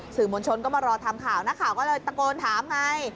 สื่อมวลชนก็มารอทำข่าวนักข่าวก็เลยตะโกนถามไง